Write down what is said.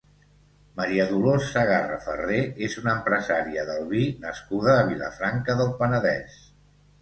Maria Dolors Segarra Farré és una empresària del vi nascuda a Vilafranca del Penedès.